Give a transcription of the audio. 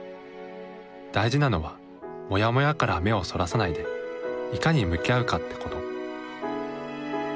大事なのはモヤモヤから目をそらさないでいかに向き合うかってこと。